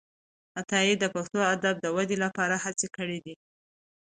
عطايي د پښتو ادب د ودې لپاره هڅي کړي دي.